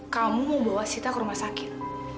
kamu bawa sita ke rumah sakit